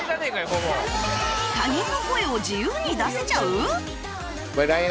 他人の声を自由に出せちゃう！？